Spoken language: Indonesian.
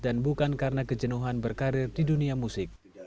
dan bukan karena kejenuhan berkarir di dunia musik